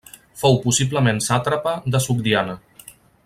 Fou possiblement sàtrapa de Sogdiana.